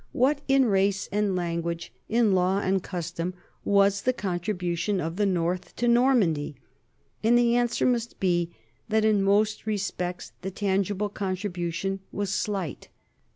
What in race and language, in law and custom, was the contribution of the north to Nor mandy? And the answer must be that in most respects the tangible contribution was slight.